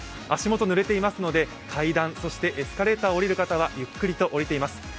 足下ぬれていますので階段そしてエスカレーターを降りる方はゆっくりと下りています。